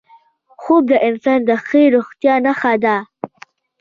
خوب د انسان د ښې روغتیا نښه ده